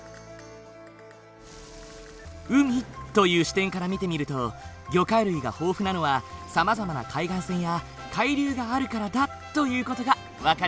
「海」という視点から見てみると魚介類が豊富なのはさまざまな海岸線や海流があるからだという事が分かるよね。